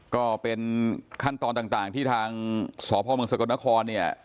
ก็เป็นขั้นตอนต่างที่ทางสพมศกนคร